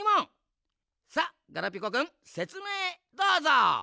さっガラピコくんせつめいどうぞ。